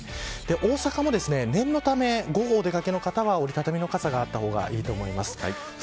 大阪も念のため午後お出掛けの方は折り畳みの傘があった方がいいと思います。